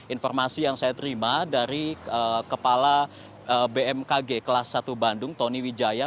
informasi yang saya terima dari kepala bmkg kelas satu bandung tony wijaya